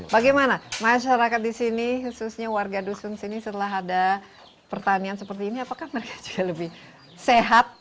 bagaimana masyarakat di sini khususnya warga dusun sini setelah ada pertanian seperti ini apakah mereka sudah lebih sehat